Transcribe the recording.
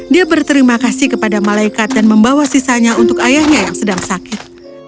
dia berterima kasih kepada malaikat dan membawa sisanya untuk ayahnya yang sedang sakit